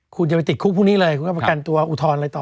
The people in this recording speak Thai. คุณจะไปติดคุกพรุ่งนี้เลยคุณก็ประกันตัวอุทธรณ์อะไรต่อ